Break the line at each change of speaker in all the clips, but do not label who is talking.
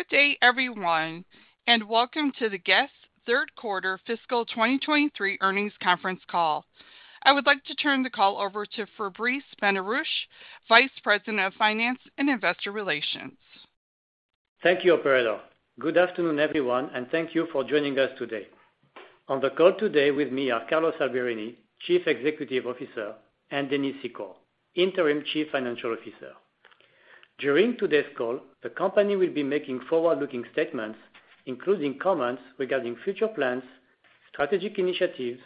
Good day, everyone, and welcome to the Guess third quarter fiscal 2023 earnings conference call. I would like to turn the call over to Fabrice Benarouche, Vice President of Finance and Investor Relations.
Thank you, operator. Good afternoon, everyone, thank you for joining us today. On the call today with me are Carlos Alberini, Chief Executive Officer, and Dennis Secor, Interim Chief Financial Officer. During today's call, the company will be making forward-looking statements, including comments regarding future plans, strategic initiatives,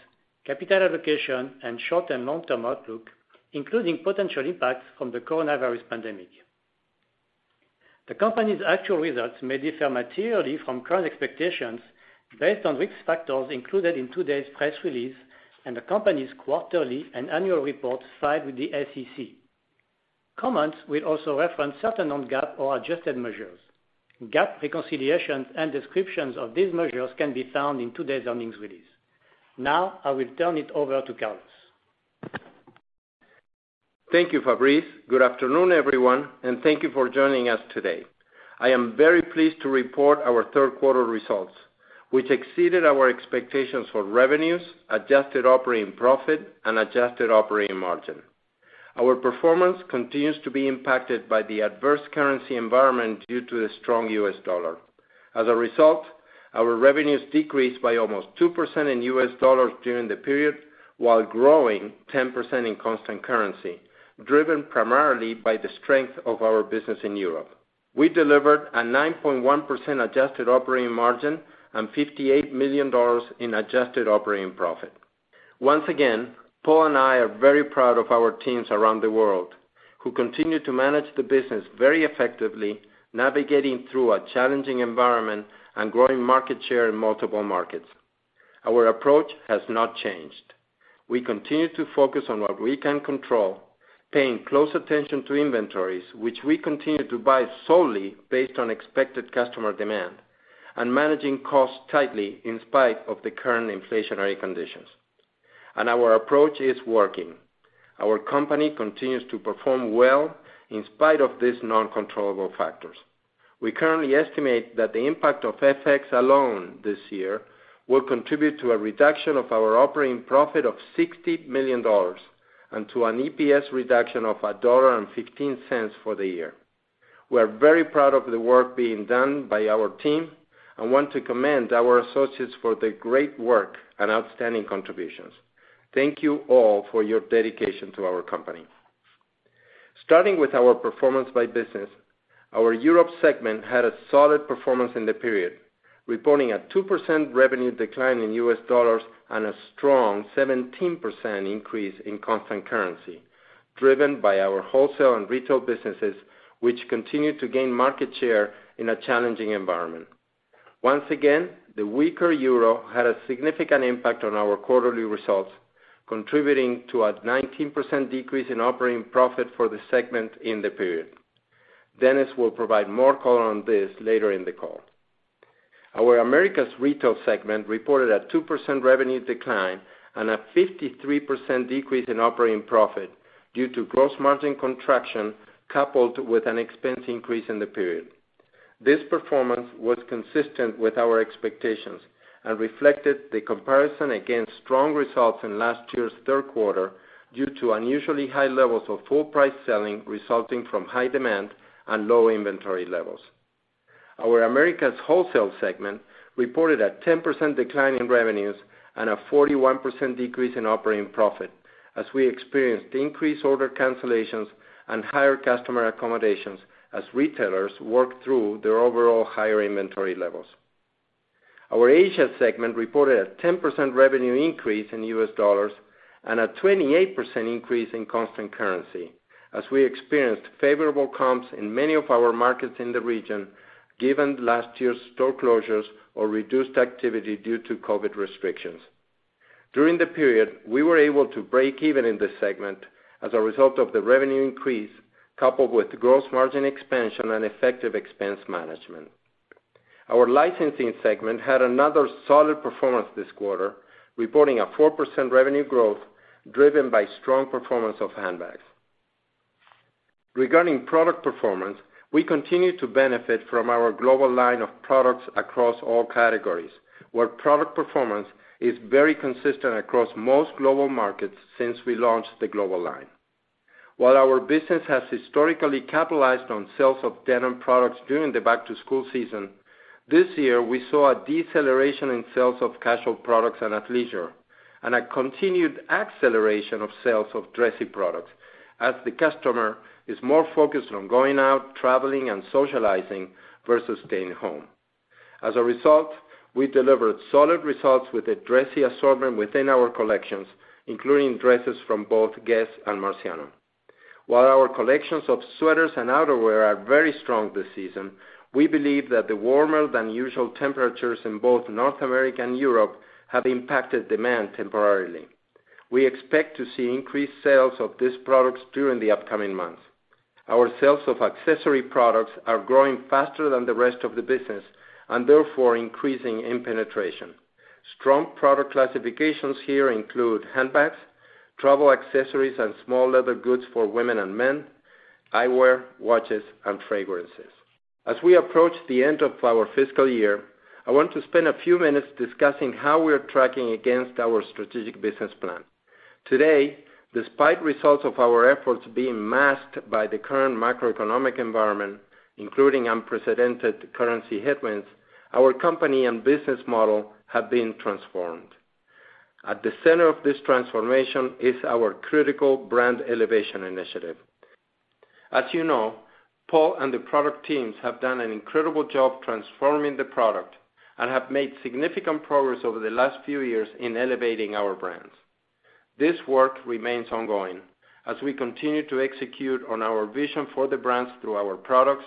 capital allocation, and short and long-term outlook, including potential impacts from the coronavirus pandemic. The company's actual results may differ materially from current expectations based on risk factors included in today's press release and the company's quarterly and annual report filed with the SEC. Comments will also reference certain non-GAAP or adjusted measures. GAAP reconciliations and descriptions of these measures can be found in today's earnings release. Now I will turn it over to Carlos.
Thank you, Fabrice. Good afternoon, everyone, and thank you for joining us today. I am very pleased to report our third quarter results, which exceeded our expectations for revenues, adjusted operating profit and adjusted operating margin. Our performance continues to be impacted by the adverse currency environment due to the strong US dollar. As a result, our revenues decreased by almost 2% in US dollars during the period, while growing 10% in constant currency, driven primarily by the strength of our business in Europe. We delivered a 9.1% adjusted operating margin and $58 million in adjusted operating profit. Once again, Paul and I are very proud of our teams around the world, who continue to manage the business very effectively, navigating through a challenging environment and growing market share in multiple markets. Our approach has not changed. We continue to focus on what we can control, paying close attention to inventories, which we continue to buy solely based on expected customer demand and managing costs tightly in spite of the current inflationary conditions. Our approach is working. Our company continues to perform well in spite of these non-controllable factors. We currently estimate that the impact of FX alone this year will contribute to a reduction of our operating profit of $60 million and to an EPS reduction of $1.15 for the year. We are very proud of the work being done by our team and want to commend our associates for their great work and outstanding contributions. Thank you all for your dedication to our company. Starting with our performance by business, our Europe segment had a solid performance in the period, reporting a 2% revenue decline in US dollars and a strong 17% increase in constant currency, driven by our wholesale and retail businesses, which continued to gain market share in a challenging environment. Once again, the weaker euro had a significant impact on our quarterly results, contributing to a 19% decrease in operating profit for the segment in the period. Dennis will provide more color on this later in the call. Our Americas Retail segment reported a 2% revenue decline and a 53% decrease in operating profit due to gross margin contraction coupled with an expense increase in the period. This performance was consistent with our expectations and reflected the comparison against strong results in last year's third quarter due to unusually high levels of full price selling resulting from high demand and low inventory levels. Our Americas Wholesale segment reported a 10% decline in revenues and a 41% decrease in operating profit as we experienced increased order cancellations and higher customer accommodations as retailers work through their overall higher inventory levels. Our Asia segment reported a 10% revenue increase in US dollars and a 28% increase in constant currency as we experienced favorable comps in many of our markets in the region given last year's store closures or reduced activity due to COVID restrictions. During the period, we were able to break even in this segment as a result of the revenue increase, coupled with gross margin expansion and effective expense management. Our licensing segment had another solid performance this quarter, reporting a 4% revenue growth driven by strong performance of handbags. Regarding product performance, we continue to benefit from our global line of products across all categories, where product performance is very consistent across most global markets since we launched the global line. While our business has historically capitalized on sales of denim products during the back-to-school season, this year we saw a deceleration in sales of casual products and athleisure, and a continued acceleration of sales of dressy products as the customer is more focused on going out, traveling and socializing versus staying home. As a result, we delivered solid results with a dressy assortment within our collections, including dresses from both Guess? and Marciano. While our collections of sweaters and outerwear are very strong this season, we believe that the warmer than usual temperatures in both North America and Europe have impacted demand temporarily. We expect to see increased sales of these products during the upcoming months. Our sales of accessory products are growing faster than the rest of the business and therefore increasing in penetration. Strong product classifications here include handbags, travel accessories, and small leather goods for women and men, eyewear, watches, and fragrances. As we approach the end of our fiscal year, I want to spend a few minutes discussing how we are tracking against our strategic business plan. Today, despite results of our efforts being masked by the current macroeconomic environment, including unprecedented currency headwinds, our company and business model have been transformed. At the center of this transformation is our critical brand elevation initiative. As you know, Paul and the product teams have done an incredible job transforming the product and have made significant progress over the last few years in elevating our brands. This work remains ongoing as we continue to execute on our vision for the brands through our products,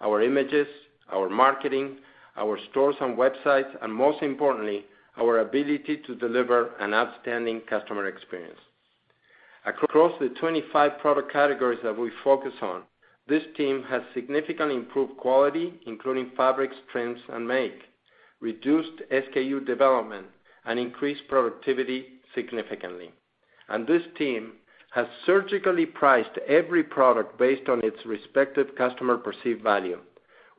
our images, our marketing, our stores and websites, and most importantly, our ability to deliver an outstanding customer experience. Across the 25 product categories that we focus on, this team has significantly improved quality, including fabrics, trims, and make, reduced SKU development, and increased productivity significantly. This team has surgically priced every product based on its respective customer perceived value,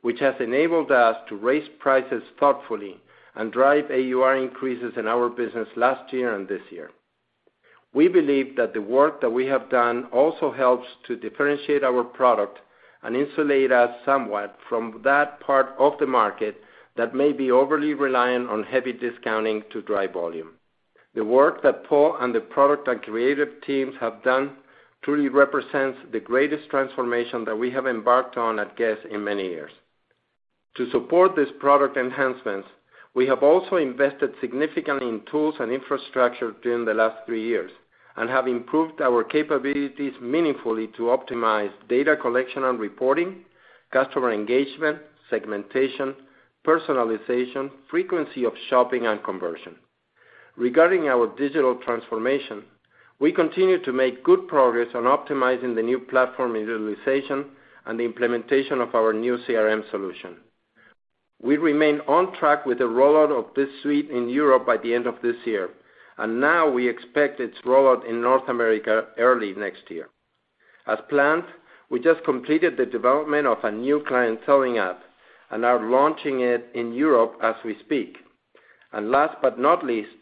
which has enabled us to raise prices thoughtfully and drive AUR increases in our business last year and this year. We believe that the work that we have done also helps to differentiate our product and insulate us somewhat from that part of the market that may be overly reliant on heavy discounting to drive volume. The work that Paul and the product and creative teams have done truly represents the greatest transformation that we have embarked on at Guess in many years. To support these product enhancements, we have also invested significantly in tools and infrastructure during the last three years and have improved our capabilities meaningfully to optimize data collection and reporting, customer engagement, segmentation, personalization, frequency of shopping, and conversion. Regarding our digital transformation, we continue to make good progress on optimizing the new platform utilization and the implementation of our new CRM solution. We remain on track with the rollout of this suite in Europe by the end of this year, now we expect its rollout in North America early next year. As planned, we just completed the development of a new client selling app and are launching it in Europe as we speak. Last but not least,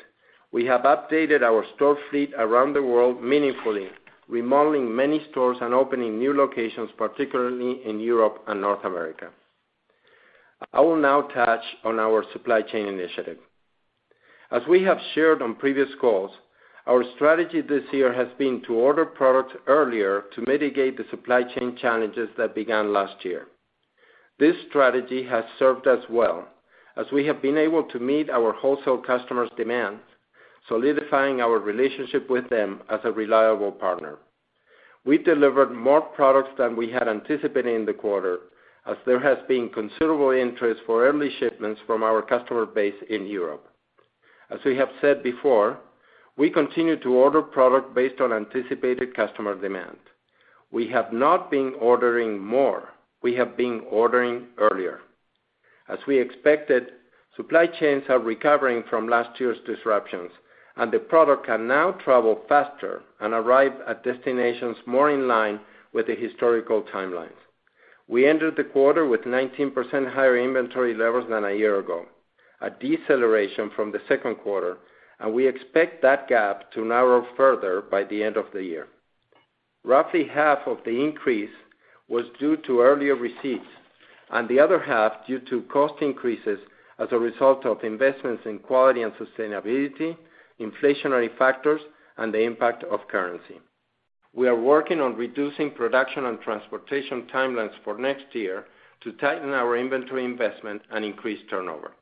we have updated our store fleet around the world meaningfully, remodeling many stores and opening new locations, particularly in Europe and North America. I will now touch on our supply chain initiative. As we have shared on previous calls, our strategy this year has been to order product earlier to mitigate the supply chain challenges that began last year. This strategy has served us well as we have been able to meet our wholesale customers' demands, solidifying our relationship with them as a reliable partner. We delivered more products than we had anticipated in the quarter as there has been considerable interest for early shipments from our customer base in Europe. As we have said before, we continue to order product based on anticipated customer demand. We have not been ordering more. We have been ordering earlier. As we expected, supply chains are recovering from last year's disruptions. The product can now travel faster and arrive at destinations more in line with the historical timelines. We entered the quarter with 19% higher inventory levels than a year ago, a deceleration from the second quarter, and we expect that gap to narrow further by the end of the year. Roughly half of the increase was due to earlier receipts and the other half due to cost increases as a result of investments in quality and sustainability, inflationary factors, and the impact of currency. We are working on reducing production and transportation timelines for next year to tighten our inventory investment and increase turnover.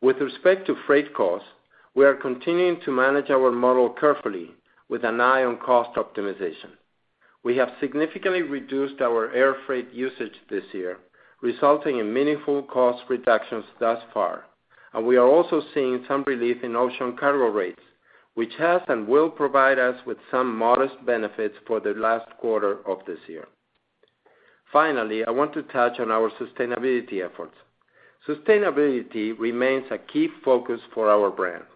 With respect to freight costs, we are continuing to manage our model carefully with an eye on cost optimization. We have significantly reduced our air freight usage this year, resulting in meaningful cost reductions thus far, and we are also seeing some relief in ocean cargo rates, which has and will provide us with some modest benefits for the last quarter of this year. Finally, I want to touch on our sustainability efforts. Sustainability remains a key focus for our brands,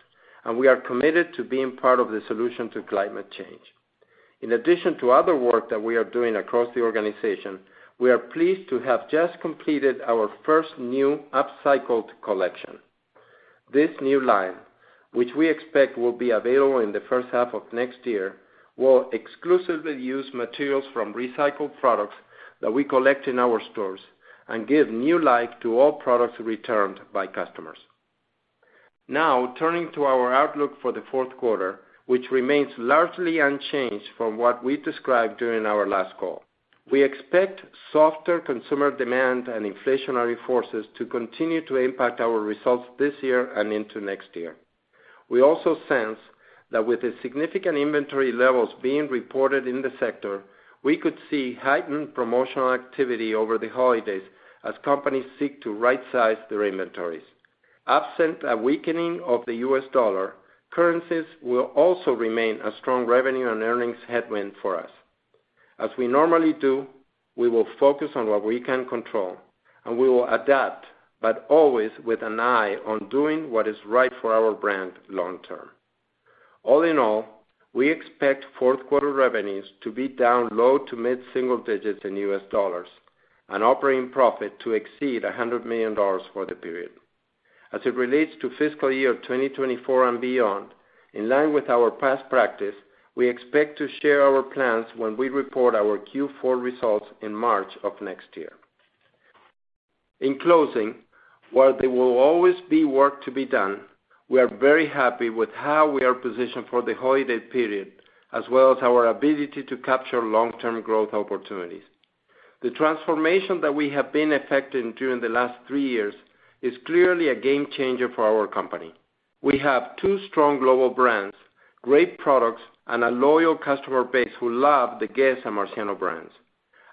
and we are committed to being part of the solution to climate change. In addition to other work that we are doing across the organization, we are pleased to have just completed our first new upcycled collection. This new line, which we expect will be available in the first half of next year, will exclusively use materials from recycled products that we collect in our stores and give new life to all products returned by customers. Turning to our outlook for the fourth quarter, which remains largely unchanged from what we described during our last call. We expect softer consumer demand and inflationary forces to continue to impact our results this year and into next year. We also sense that with the significant inventory levels being reported in the sector, we could see heightened promotional activity over the holidays as companies seek to rightsize their inventories. Absent a weakening of the U.S. dollar, currencies will also remain a strong revenue and earnings headwind for us. As we normally do, we will focus on what we can control, and we will adapt, but always with an eye on doing what is right for our brand long term. All in all, we expect fourth quarter revenues to be down low to mid single digits in U.S. dollars and operating profit to exceed $100 million for the period. As it relates to fiscal year 2024 and beyond, in line with our past practice, we expect to share our plans when we report our Q4 results in March of next year. In closing, while there will always be work to be done, we are very happy with how we are positioned for the holiday period, as well as our ability to capture long-term growth opportunities. The transformation that we have been effecting during the last three years is clearly a game changer for our company. We have two strong global brands, great products, and a loyal customer base who love the Guess and Marciano brands.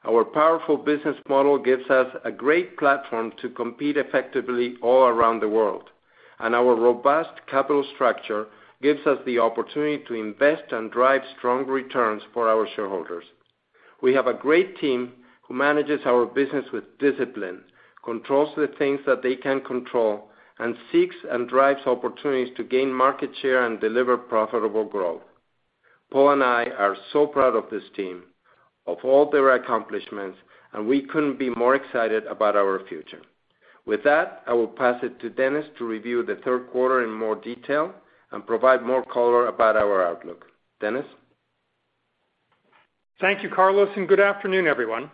Our powerful business model gives us a great platform to compete effectively all around the world, and our robust capital structure gives us the opportunity to invest and drive strong returns for our shareholders. We have a great team who manages our business with discipline, controls the things that they can control, and seeks and drives opportunities to gain market share and deliver profitable growth. Paul and I are so proud of this team, of all their accomplishments, and we couldn't be more excited about our future. With that, I will pass it to Dennis to review the third quarter in more detail and provide more color about our outlook. Dennis?
Thank you, Carlos, and good afternoon, everyone.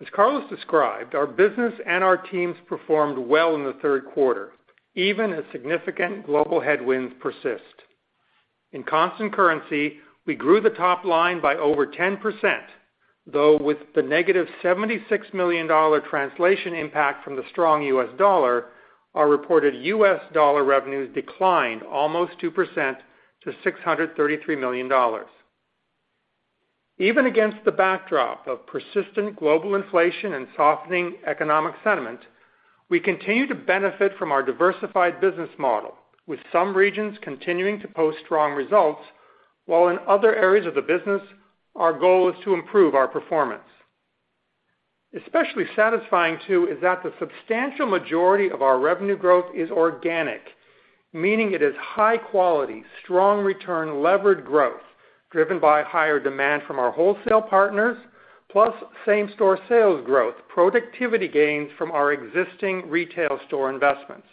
As Carlos described, our business and our teams performed well in the third quarter, even as significant global headwinds persist. In constant currency, we grew the top line by over 10%, though with the negative $76 million translation impact from the strong US dollar, our reported US dollar revenues declined almost 2% to $633 million. Even against the backdrop of persistent global inflation and softening economic sentiment, we continue to benefit from our diversified business model, with some regions continuing to post strong results, while in other areas of the business, our goal is to improve our performance. Especially satisfying too is that the substantial majority of our revenue growth is organic, meaning it is high quality, strong return levered growth driven by higher demand from our wholesale partners, plus same-store sales growth, productivity gains from our existing retail store investments.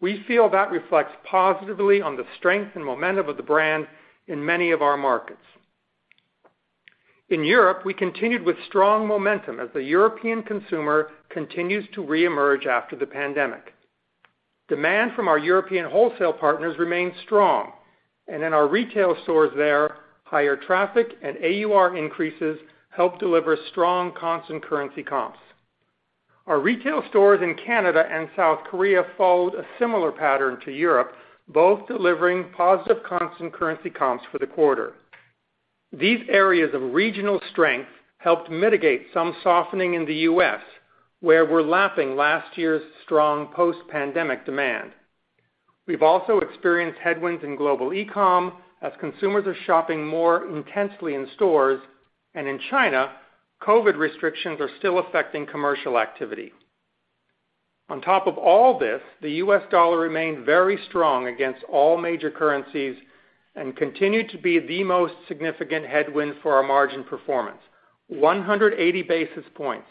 We feel that reflects positively on the strength and momentum of the brand in many of our markets. In Europe, we continued with strong momentum as the European consumer continues to reemerge after the pandemic. Demand from our European wholesale partners remains strong, and in our retail stores there, higher traffic and AUR increases help deliver strong constant currency comps. Our retail stores in Canada and South Korea followed a similar pattern to Europe, both delivering positive constant currency comps for the quarter. These areas of regional strength helped mitigate some softening in the U.S., where we're lapping last year's strong post-pandemic demand. We've also experienced headwinds in global e-com as consumers are shopping more intensely in stores, and in China, COVID restrictions are still affecting commercial activity. On top of all this, the US dollar remained very strong against all major currencies and continued to be the most significant headwind for our margin performance. 180 basis points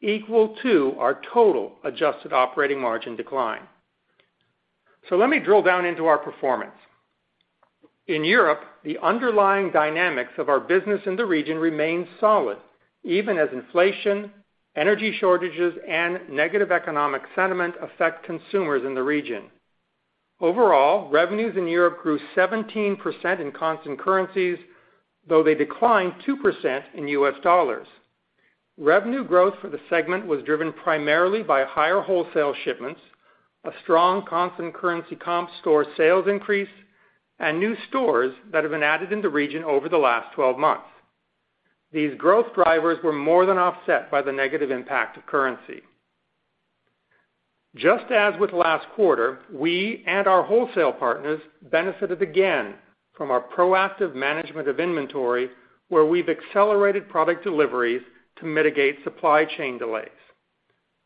equal to our total adjusted operating margin decline. Let me drill down into our performance. In Europe, the underlying dynamics of our business in the region remain solid, even as inflation, energy shortages, and negative economic sentiment affect consumers in the region. Overall, revenues in Europe grew 17% in constant currencies, though they declined 2% in US dollars. Revenue growth for the segment was driven primarily by higher wholesale shipments, a strong constant currency comparable store sales increase, and new stores that have been added in the region over the last 12 months. These growth drivers were more than offset by the negative impact of currency. Just as with last quarter, we and our wholesale partners benefited again from our proactive management of inventory, where we've accelerated product deliveries to mitigate supply chain delays.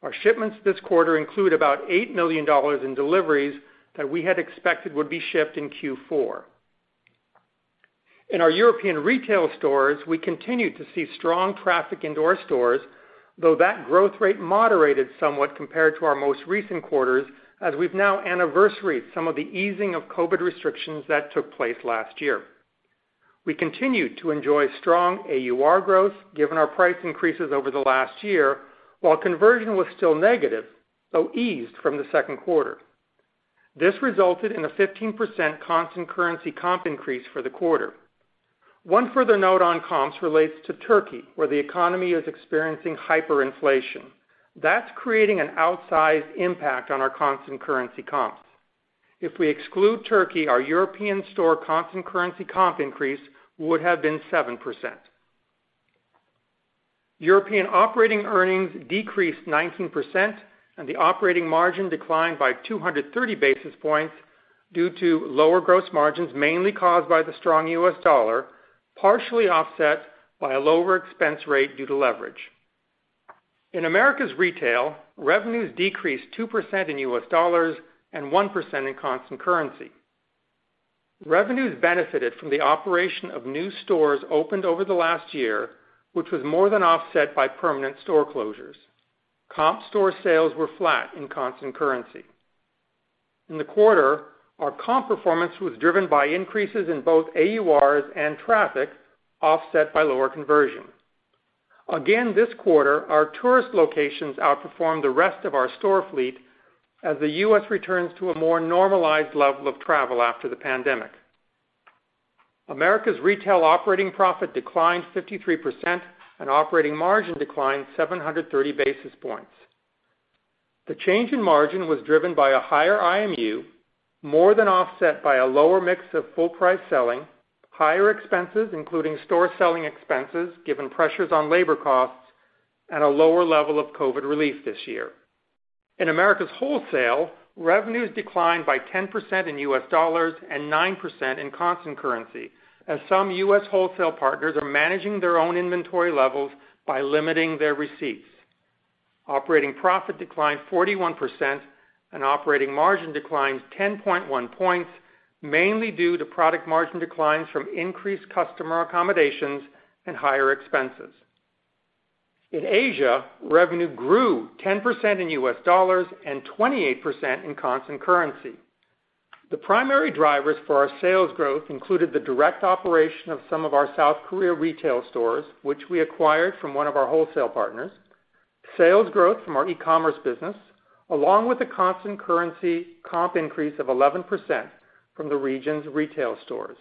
Our shipments this quarter include about $8 million in deliveries that we had expected would be shipped in Q4. In our European retail stores, we continued to see strong traffic into our stores, though that growth rate moderated somewhat compared to our most recent quarters as we've now anniversaried some of the easing of COVID restrictions that took place last year. We continued to enjoy strong AUR growth given our price increases over the last year, while conversion was still negative, though eased from the second quarter. This resulted in a 15% constant currency comp increase for the quarter. One further note on comps relates to Turkey, where the economy is experiencing hyperinflation. That's creating an outsized impact on our constant currency comps. If we exclude Turkey, our European store constant currency comp increase would have been 7%. European operating earnings decreased 19% and the operating margin declined by 230 basis points due to lower gross margins, mainly caused by the strong US dollar, partially offset by a lower expense rate due to leverage. In Americas Retail, revenues decreased 2% in US dollars and 1% in constant currency. Revenues benefited from the operation of new stores opened over the last year, which was more than offset by permanent store closures. Comp store sales were flat in constant currency. In the quarter, our comp performance was driven by increases in both AURs and traffic, offset by lower conversion. Again, this quarter, our tourist locations outperformed the rest of our store fleet as the U.S. returns to a more normalized level of travel after the pandemic. America's retail operating profit declined 53% and operating margin declined 730 basis points. The change in margin was driven by a higher IMU, more than offset by a lower mix of full-price selling, higher expenses, including store selling expenses, given pressures on labor costs and a lower level of COVID relief this year. In America's wholesale, revenues declined by 10% in US dollars and 9% in constant currency, as some US wholesale partners are managing their own inventory levels by limiting their receipts. Operating profit declined 41% and operating margin declined 10.1 points, mainly due to product margin declines from increased customer accommodations and higher expenses. In Asia, revenue grew 10% in US dollars and 28% in constant currency. The primary drivers for our sales growth included the direct operation of some of our South Korea retail stores, which we acquired from one of our wholesale partners, sales growth from our e-commerce business, along with a constant currency comp increase of 11% from the region's retail stores.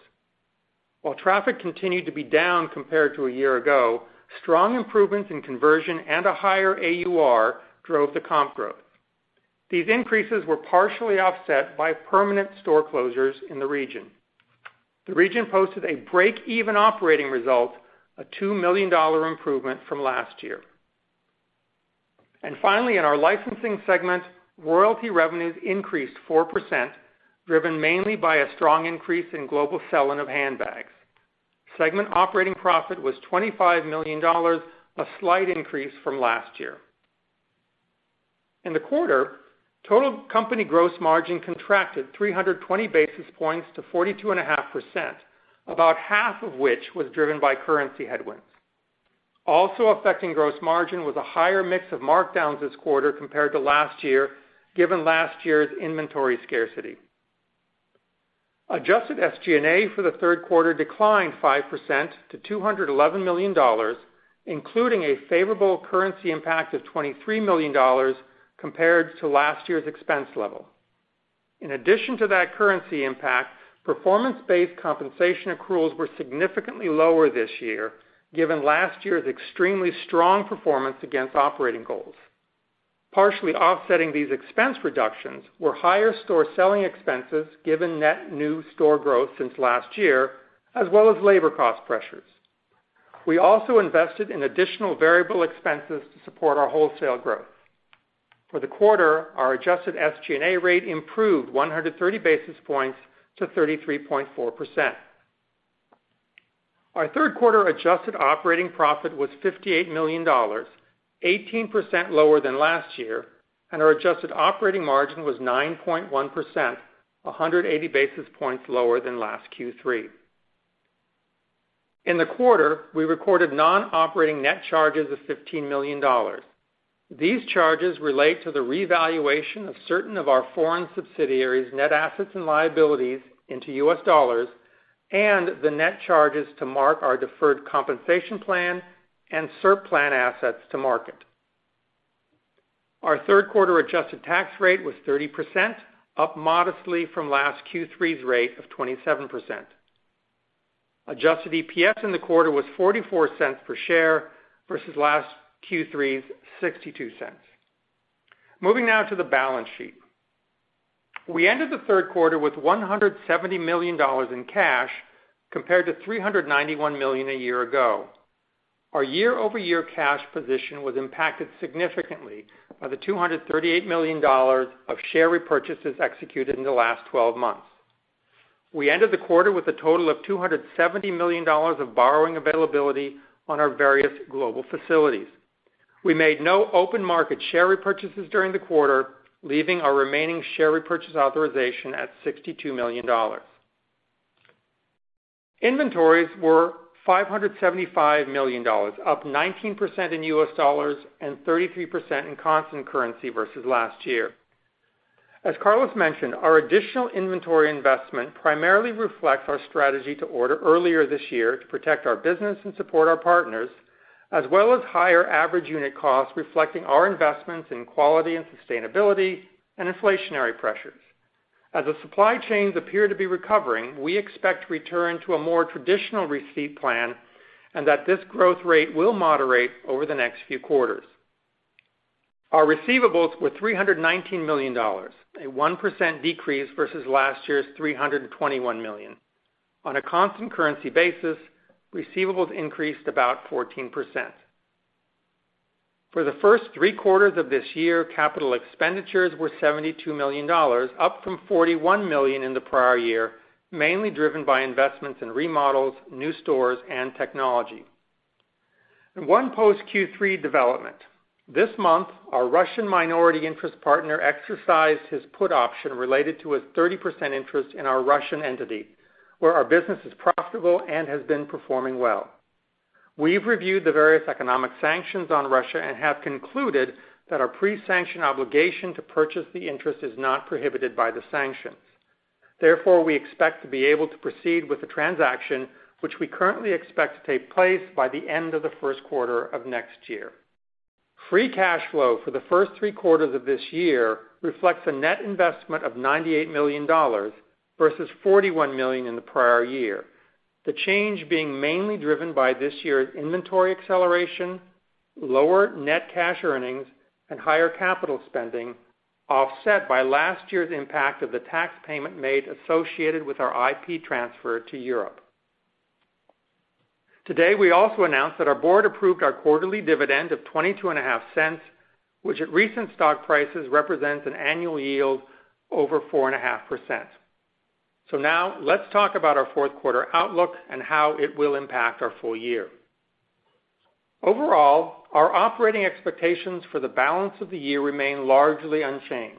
While traffic continued to be down compared to a year ago, strong improvements in conversion and a higher AUR drove the comp growth. These increases were partially offset by permanent store closures in the region. The region posted a break-even operating result, a $2 million improvement from last year. Finally, in our licensing segment, royalty revenues increased 4%, driven mainly by a strong increase in global sell-in of handbags. Segment operating profit was $25 million, a slight increase from last year. In the quarter, total company gross margin contracted 320 basis points to 42.5%, about half of which was driven by currency headwinds. Also affecting gross margin was a higher mix of markdowns this quarter compared to last year, given last year's inventory scarcity. Adjusted SG&A for the third quarter declined 5% to $211 million, including a favorable currency impact of $23 million compared to last year's expense level. In addition to that currency impact, performance-based compensation accruals were significantly lower this year, given last year's extremely strong performance against operating goals. Partially offsetting these expense reductions were higher store selling expenses given net new store growth since last year, as well as labor cost pressures. We also invested in additional variable expenses to support our wholesale growth. For the quarter, our adjusted SG&A rate improved 130 basis points to 33.4%. Our third quarter adjusted operating profit was $58 million, 18% lower than last year, and our adjusted operating margin was 9.1%, 180 basis points lower than last Q3. In the quarter, we recorded non-operating net charges of $15 million. These charges relate to the revaluation of certain of our foreign subsidiaries' net assets and liabilities into US dollars and the net charges to mark our deferred compensation plan and SERP plan assets to market. Our third quarter adjusted tax rate was 30%, up modestly from last Q3's rate of 27%. Adjusted EPS in the quarter was $0.44 per share versus last Q3's $0.62. Moving now to the balance sheet. We ended the third quarter with $170 million in cash compared to $391 million a year ago. Our year-over-year cash position was impacted significantly by the $238 million of share repurchases executed in the last 12 months. We ended the quarter with a total of $270 million of borrowing availability on our various global facilities. We made no open market share repurchases during the quarter, leaving our remaining share repurchase authorization at $62 million. Inventories were $575 million, up 19% in US dollars and 33% in constant currency versus last year. As Carlos mentioned, our additional inventory investment primarily reflects our strategy to order earlier this year to protect our business and support our partners, as well as higher average unit costs reflecting our investments in quality and sustainability and inflationary pressures. As the supply chains appear to be recovering, we expect to return to a more traditional receipt plan and that this growth rate will moderate over the next few quarters. Our receivables were $319 million, a 1% decrease versus last year's $321 million. On a constant currency basis, receivables increased about 14%. For the first three quarters of this year, capital expenditures were $72 million, up from $41 million in the prior year, mainly driven by investments in remodels, new stores, and technology. One post Q3 development. This month, our Russian minority interest partner exercised his put option related to a 30% interest in our Russian entity, where our business is profitable and has been performing well. We've reviewed the various economic sanctions on Russia and have concluded that our pre-sanction obligation to purchase the interest is not prohibited by the sanctions. Therefore, we expect to be able to proceed with the transaction, which we currently expect to take place by the end of the first quarter of next year. Free cash flow for the first three quarters of this year reflects a net investment of $98 million versus $41 million in the prior year. The change being mainly driven by this year's inventory acceleration, lower net cash earnings, and higher capital spending, offset by last year's impact of the tax payment made associated with our IP transfer to Europe. Today, we also announced that our board approved our quarterly dividend of twenty-two and a half cents, which at recent stock prices represents an annual yield over 4.5%. Now let's talk about our fourth quarter outlook and how it will impact our full year. Overall, our operating expectations for the balance of the year remain largely unchanged.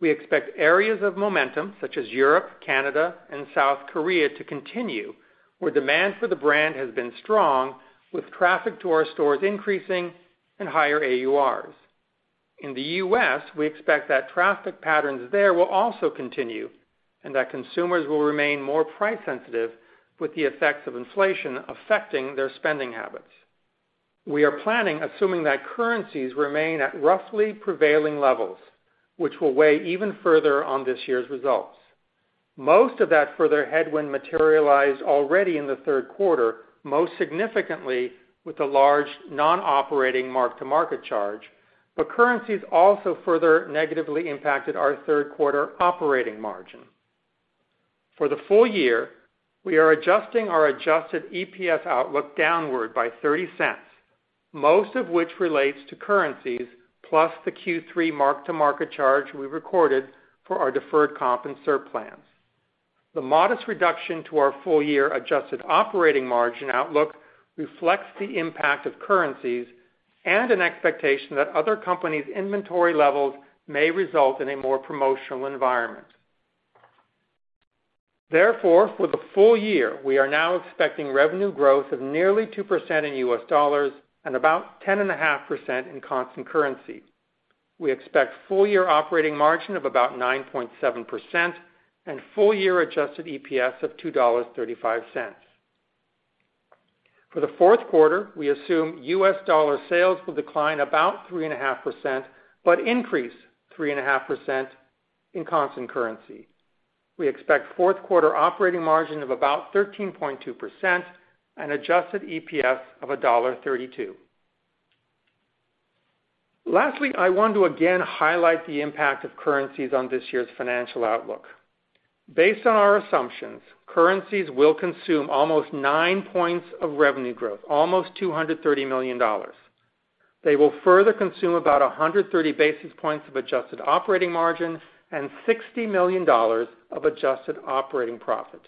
We expect areas of momentum such as Europe, Canada, and South Korea to continue, where demand for the brand has been strong, with traffic to our stores increasing and higher AURs. In the U.S., we expect that traffic patterns there will also continue, and that consumers will remain more price sensitive with the effects of inflation affecting their spending habits. We are planning assuming that currencies remain at roughly prevailing levels, which will weigh even further on this year's results. Most of that further headwind materialized already in the third quarter, most significantly with the large non-operating mark-to-market charge, but currencies also further negatively impacted our third quarter operating margin. For the full year, we are adjusting our adjusted EPS outlook downward by $0.30, most of which relates to currencies plus the Q3 mark-to-market charge we recorded for our deferred comp and SERP plans. The modest reduction to our full-year adjusted operating margin outlook reflects the impact of currencies and an expectation that other companies' inventory levels may result in a more promotional environment. For the full year, we are now expecting revenue growth of nearly 2% in US dollars and about 10.5% in constant currency. We expect full-year operating margin of about 9.7% and full-year adjusted EPS of $2.35. For the fourth quarter, we assume US dollars sales will decline about 3.5%, but increase 3.5% in constant currency. We expect fourth quarter operating margin of about 13.2% and adjusted EPS of $1.32. I want to again highlight the impact of currencies on this year's financial outlook. Based on our assumptions, currencies will consume almost 9 points of revenue growth, almost $230 million. They will further consume about 130 basis points of adjusted operating margin and $60 million of adjusted operating profit.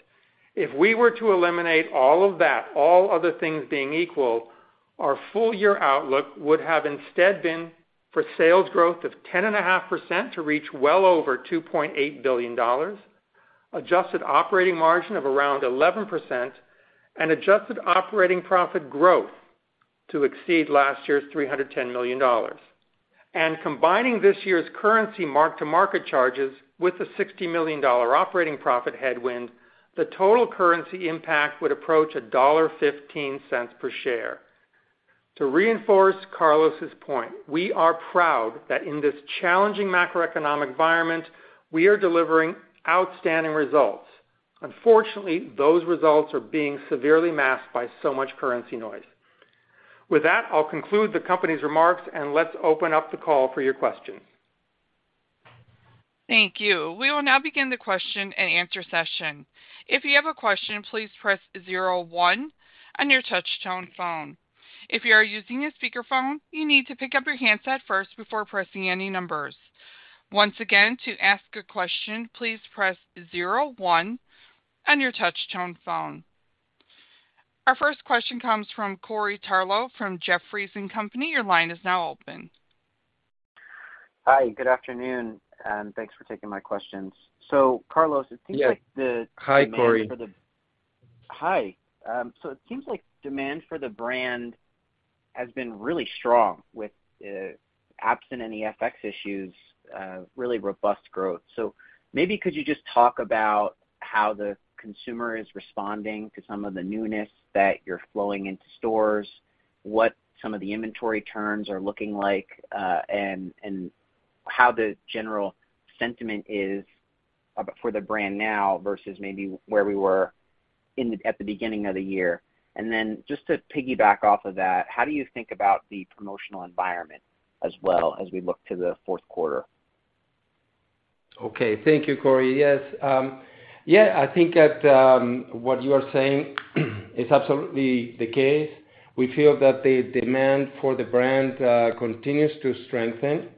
If we were to eliminate all of that, all other things being equal, our full-year outlook would have instead been for sales growth of 10.5% to reach well over $2.8 billion, adjusted operating margin of around 11%, and adjusted operating profit growth to exceed last year's $310 million. Combining this year's currency mark-to-market charges with the $60 million operating profit headwind, the total currency impact would approach $1.15 per share. To reinforce Carlos's point, we are proud that in this challenging macroeconomic environment, we are delivering outstanding results. Unfortunately, those results are being severely masked by so much currency noise. With that, I'll conclude the company's remarks, and let's open up the call for your questions.
Thank you. We will now begin the question and answer session. If you have a question, please press zero one on your touch-tone phone. If you are using a speakerphone, you need to pick up your handset first before pressing any numbers. Once again, to ask a question, please press zero one on your touch-tone phone. Our first question comes from Corey Tarlowe from Jefferies & Company. Your line is now open.
Hi, good afternoon, and thanks for taking my questions. Carlos, it seems like the demand for.
Yeah. Hi, Corey.
Hi. It seems like demand for the brand has been really strong with absent any FX issues, really robust growth. Could you just talk about how the consumer is responding to some of the newness that you're flowing into stores, what some of the inventory turns are looking like, and how the general sentiment is for the brand now versus maybe where we were at the beginning of the year. Just to piggyback off of that, how do you think about the promotional environment as well as we look to the fourth quarter?
Okay. Thank you, Corey. Yes. I think that what you are saying is absolutely the case. We feel that the demand for the brand continues to strengthen.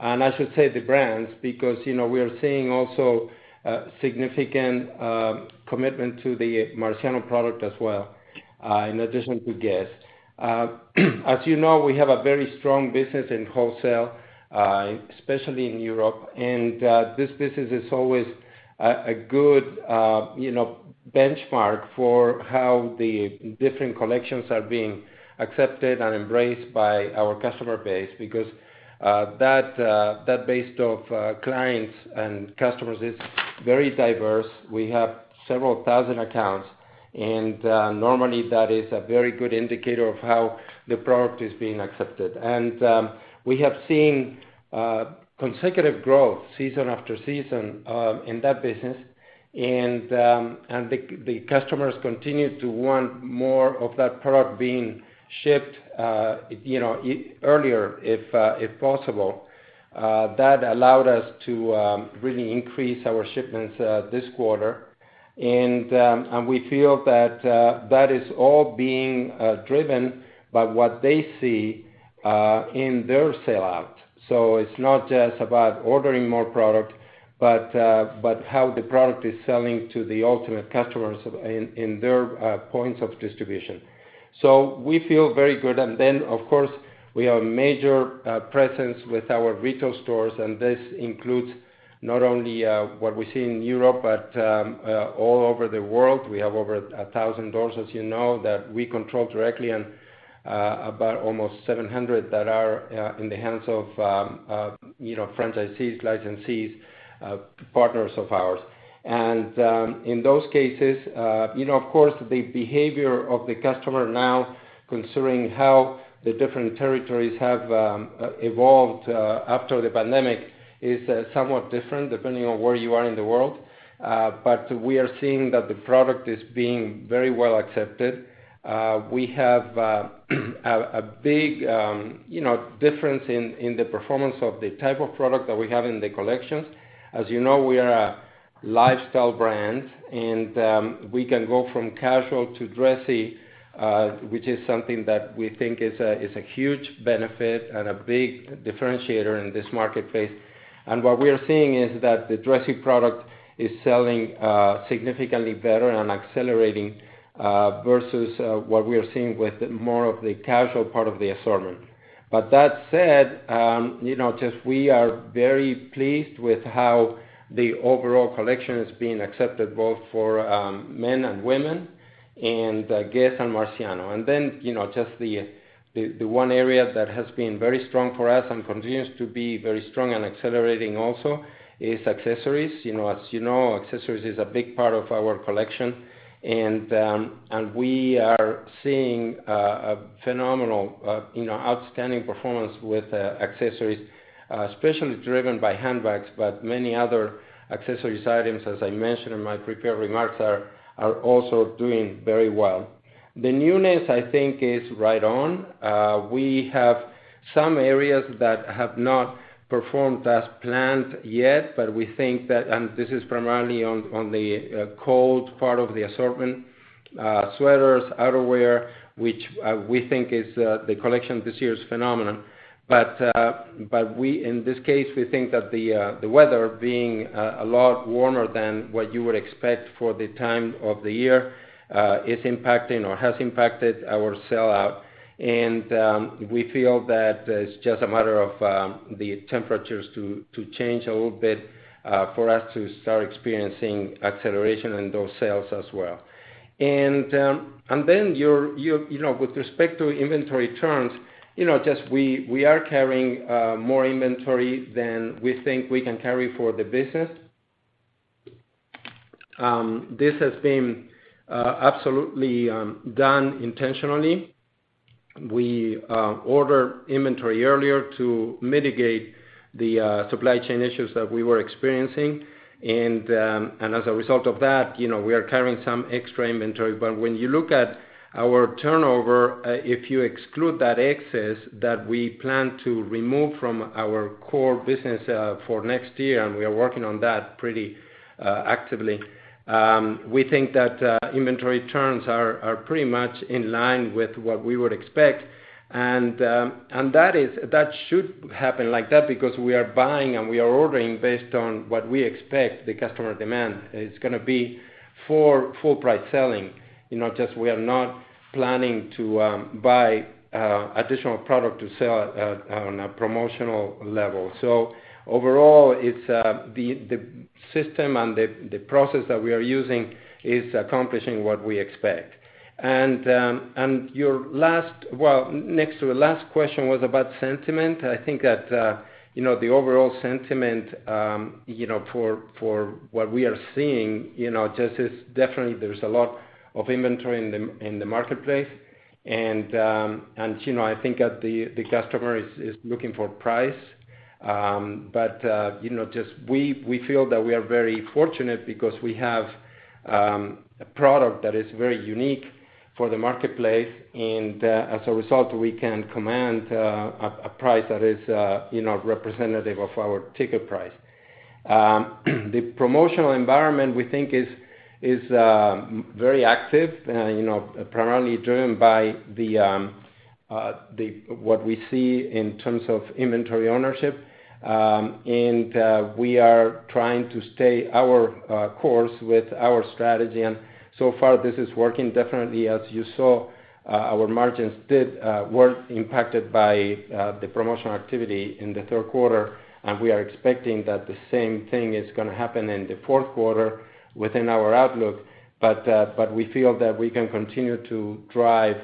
I should say the brands, because, you know, we are seeing also significant commitment to the Marciano product as well, in addition to Guess. As you know, we have a very strong business in wholesale, especially in Europe. This business is always a good, you know, benchmark for how the different collections are being accepted and embraced by our customer base because that base of clients and customers is very diverse. We have several thousand accounts, and normally that is a very good indicator of how the product is being accepted. We have seen consecutive growth season after season in that business. The customers continue to want more of that product being shipped, you know, earlier if possible. That allowed us to really increase our shipments this quarter. We feel that that is all being driven by what they see in their sell-out. It's not just about ordering more product, but how the product is selling to the ultimate customers in their points of distribution. We feel very good. Of course, we have a major presence with our retail stores, and this includes not only what we see in Europe, but all over the world. We have over 1,000 doors, as you know, that we control directly and about almost 700 that are in the hands of, you know, franchisees, licensees, partners of ours. In those cases, you know, of course, the behavior of the customer now, considering how the different territories have evolved after the pandemic, is somewhat different depending on where you are in the world. But we are seeing that the product is being very well accepted. We have a big, you know, difference in the performance of the type of product that we have in the collections. As you know, we are a lifestyle brand and we can go from casual to dressy, which is something that we think is a huge benefit and a big differentiator in this marketplace. What we are seeing is that the dressy product is selling significantly better and accelerating versus what we are seeing with more of the casual part of the assortment. That said, you know, just we are very pleased with how the overall collection is being accepted both for men and women and Guess and Marciano. Then, you know, just the one area that has been very strong for us and continues to be very strong and accelerating also is accessories. You know, as you know, accessories is a big part of our collection. We are seeing, you know, outstanding performance with accessories, especially driven by handbags, but many other accessories items, as I mentioned in my prepared remarks, are also doing very well. The newness, I think, is right on. We have some areas that have not performed as planned yet, but we think that, and this is primarily on the cold part of the assortment, sweaters, outerwear, which we think is the collection this year is phenomenal. We, in this case, we think that the weather being a lot warmer than what you would expect for the time of the year, is impacting or has impacted our sell-out. We feel that it's just a matter of the temperatures to change a little bit for us to start experiencing acceleration in those sales as well. Then your, you know, with respect to inventory turns, you know, just we are carrying more inventory than we think we can carry for the business. This has been absolutely done intentionally. We order inventory earlier to mitigate the supply chain issues that we were experiencing. As a result of that, you know, we are carrying some extra inventory. When you look at our turnover, if you exclude that excess that we plan to remove from our core business for next year, and we are working on that pretty actively, we think that inventory turns are pretty much in line with what we would expect. That should happen like that because we are buying and we are ordering based on what we expect the customer demand is gonna be for full price selling. You know, just we are not planning to buy additional product to sell at on a promotional level. Overall, it's the system and the process that we are using is accomplishing what we expect. Your last, well, next to the last question was about sentiment. I think that, you know, the overall sentiment, you know, for what we are seeing, you know, just is definitely there's a lot of inventory in the marketplace. You know, I think that the customer is looking for price. You know, just we feel that we are very fortunate because we have a product that is very unique for the marketplace and as a result, we can command a price that is, you know, representative of our ticket price. The promotional environment, we think is very active, you know, primarily driven by the what we see in terms of inventory ownership. We are trying to stay our course with our strategy. So far, this is working definitely. As you saw, our margins did were impacted by the promotional activity in the third quarter. We are expecting that the same thing is gonna happen in the fourth quarter within our outlook. We feel that we can continue to drive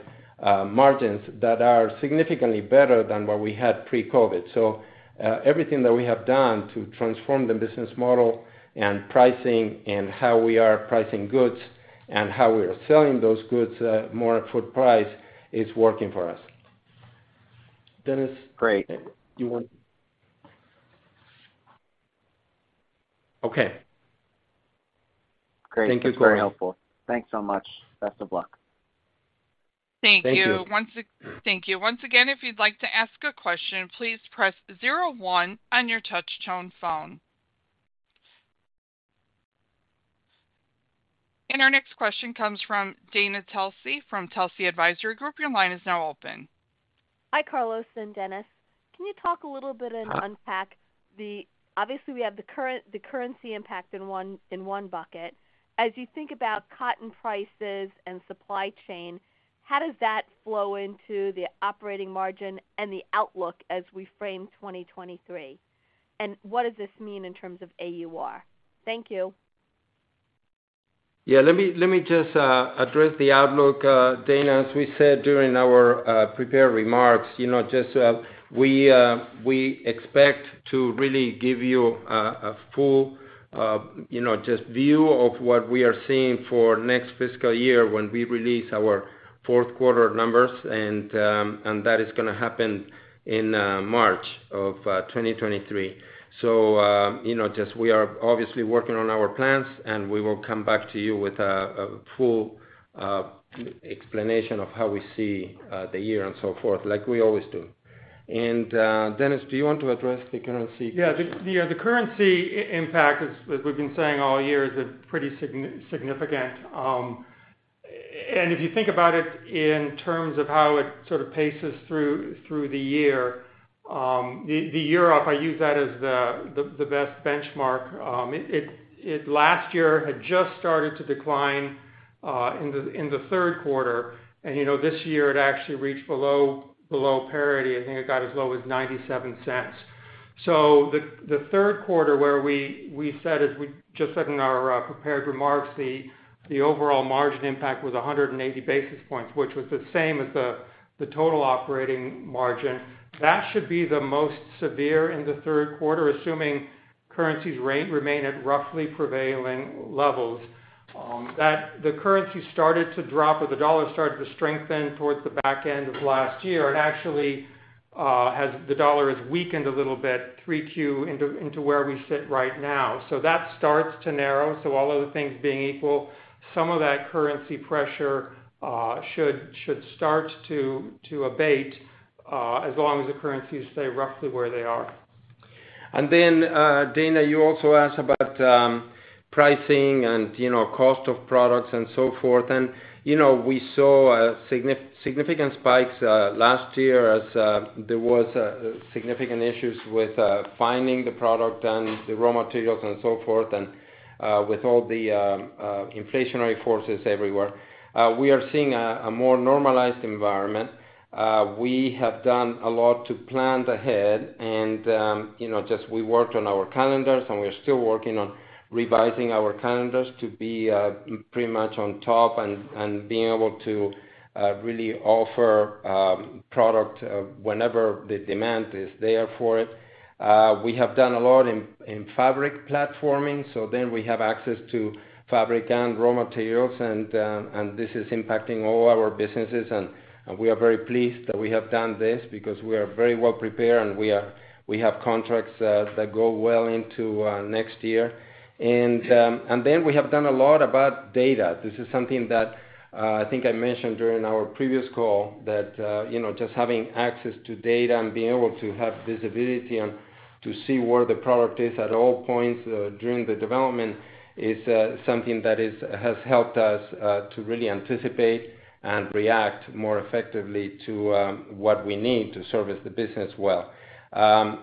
margins that are significantly better than what we had pre-COVID. Everything that we have done to transform the business model and pricing and how we are pricing goods and how we are selling those goods more at full price is working for us. Dennis?
Great.
You want... Okay.
Great.
Thank you, Corey.
That's very helpful. Thanks so much. Best of luck.
Thank you.
Thank you.
Thank you. Once again, if you'd like to ask a question, please press 01 on your touch tone phone. Our next question comes from Dana Telsey from Telsey Advisory Group. Your line is now open.
Hi, Carlos and Dennis. Can you talk a little bit and unpack Obviously, we have the currency impact in one bucket? As you think about cotton prices and supply chain, how does that flow into the operating margin and the outlook as we frame 2023? What does this mean in terms of AUR? Thank you.
Yeah. Let me just address the outlook, Dana. As we said during our prepared remarks, you know, just we expect to really give you a full, you know, just view of what we are seeing for next fiscal year when we release our fourth quarter numbers, and that is gonna happen in March of 2023. You know, just we are obviously working on our plans, and we will come back to you with a full explanation of how we see the year and so forth, like we always do. Dennis, do you want to address the currency?
The currency impact, as we've been saying all year is pretty significant. And if you think about it in terms of how it sort of paces through the year, the EUR, I use that as the best benchmark. It last year had just started to decline in the third quarter. you know, this year it actually reached below parity. I think it got as low as $0.97. The third quarter where we just said in our prepared remarks, the overall margin impact was 180 basis points, which was the same as the total operating margin. That should be the most severe in the third quarter, assuming currencies remain at roughly prevailing levels. That the currency started to drop or the dollar started to strengthen towards the back end of last year. It actually has the dollar has weakened a little bit, 3Q into where we sit right now. That starts to narrow. All other things being equal, some of that currency pressure should start to abate as long as the currencies stay roughly where they are.
Dana, you also asked about pricing and, you know, cost of products and so forth. You know, we saw significant spikes last year as there was significant issues with finding the product and the raw materials and so forth and with all the inflationary forces everywhere. We are seeing a more normalized environment. We have done a lot to plan ahead and, you know, just we worked on our calendars, and we're still working on revising our calendars to be pretty much on top and being able to really offer product whenever the demand is there for it. We have done a lot in fabric platforming, we have access to fabric and raw materials and this is impacting all our businesses. We are very pleased that we have done this because we are very well prepared and we have contracts that go well into next year. Then we have done a lot about data. This is something that I think I mentioned during our previous call that, you know, just having access to data and being able to have visibility and to see where the product is at all points during the development is something that has helped us to really anticipate and react more effectively to what we need to service the business well.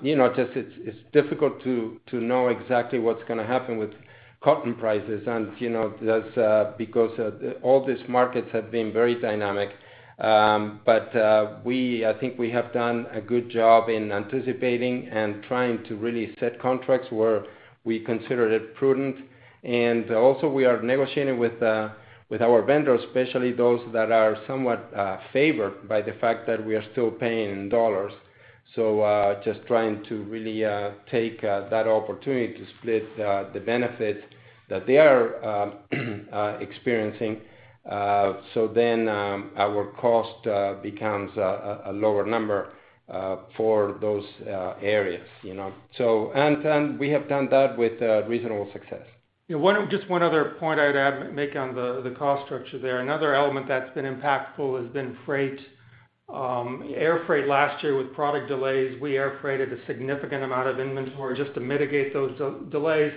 You know, just it's difficult to know exactly what's gonna happen with cotton prices and, you know, that's because all these markets have been very dynamic. I think we have done a good job in anticipating and trying to really set contracts where we considered it prudent. Also we are negotiating with our vendors, especially those that are somewhat favored by the fact that we are still paying in dollars. Just trying to really take that opportunity to split the benefit that they are experiencing. Our cost becomes a lower number for those areas, you know. We have done that with reasonable success.
Yeah. One, just one other point I'd make on the cost structure there. Another element that's been impactful has been freight. Air freight last year with product delays, we air freighted a significant amount of inventory just to mitigate those delays,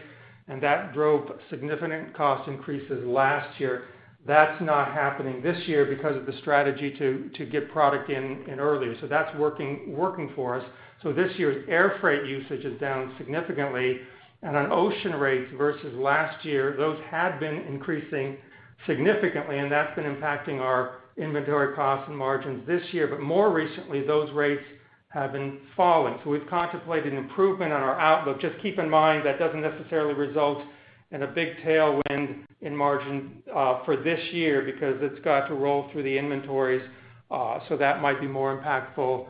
and that drove significant cost increases last year. That's not happening this year because of the strategy to get product in early. That's working for us. This year's air freight usage is down significantly. On ocean rates versus last year, those had been increasing significantly, and that's been impacting our inventory costs and margins this year. More recently, those rates have been falling. We've contemplated improvement on our outlook. Just keep in mind, that doesn't necessarily result in a big tailwind in margin for this year because it's got to roll through the inventories, so that might be more impactful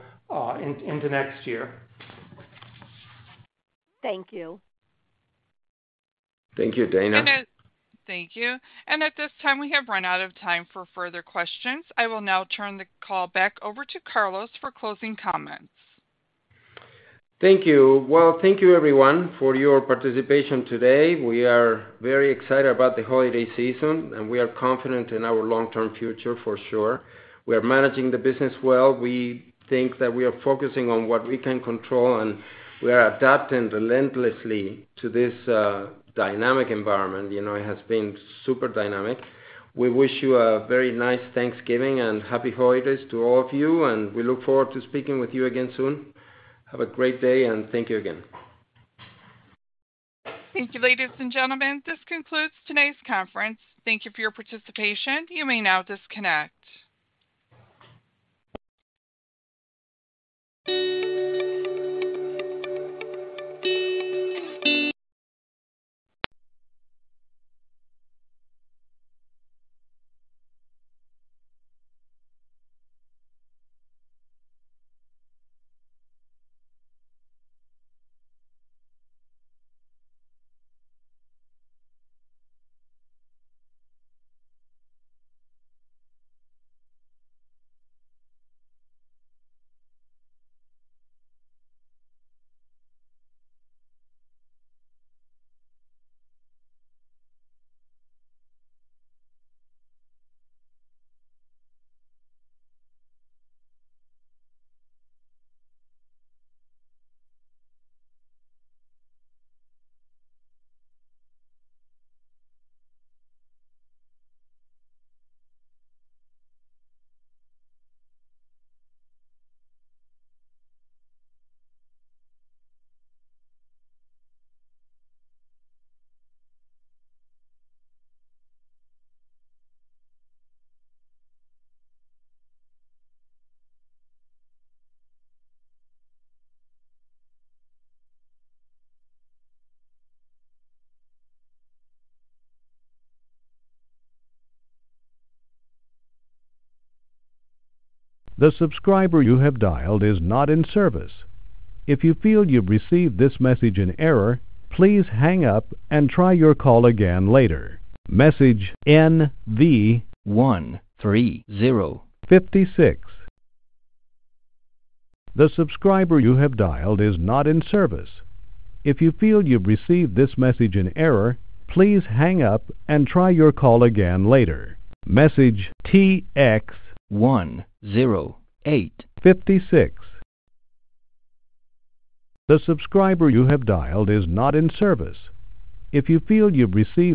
into next year.
Thank you.
Thank you, Dana.
thank you. At this time, we have run out of time for further questions. I will now turn the call back over to Carlos for closing comments.
Thank you. Well, thank you everyone for your participation today. We are very excited about the holiday season, and we are confident in our long-term future for sure. We are managing the business well. We think that we are focusing on what we can control, and we are adapting relentlessly to this dynamic environment. You know, it has been super dynamic. We wish you a very nice Thanksgiving and happy holidays to all of you, and we look forward to speaking with you again soon. Have a great day, and thank you again.
Thank you, ladies and gentlemen. This concludes today's conference. Thank you for your participation. You may now disconnect. The subscriber you have dialed is not in service. If you feel you've received this message in error, please hang up and try your call again later. Message NV 13056. The subscriber you have dialed is not in service. If you feel you've received this message in error, please hang up and try your call again later. Message TX 10856. The subscriber you have dialed is not in service. If you feel you've received